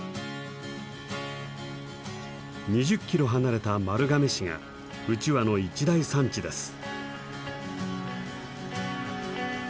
２０キロ離れた丸亀市がうちわの一大産地です。